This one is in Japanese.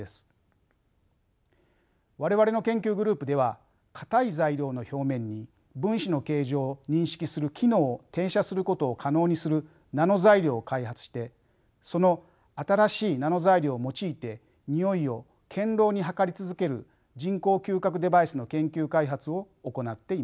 我々の研究グループでは固い材料の表面に分子の形状を認識する機能を転写することを可能にするナノ材料を開発してその新しいナノ材料を用いてにおいを堅ろうに測り続ける人工嗅覚デバイスの研究開発を行っています。